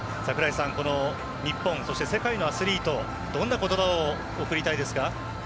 櫻井さん、日本そして世界のアスリートどんなことばを送りたいですか。